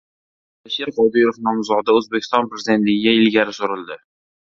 Alisher Qodirov nomzodi O‘zbekiston prezidentligiga ilgari surildi